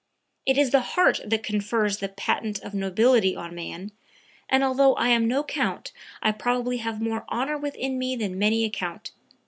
"It is the heart that confers the patent of nobility on man; and although I am no count I probably have more honor within me than many a count.